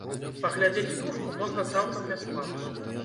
Паглядзець стужку можна цалкам бясплатна.